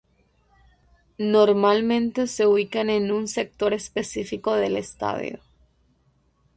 Normalmente se ubican en un sector específico del estadio.